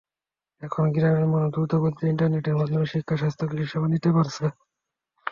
এখন গ্রামের মানুষ দ্রুতগতির ইন্টারনেটের মাধ্যমে শিক্ষা, স্বাস্থ্য, কৃষিসেবা নিতে পারছে।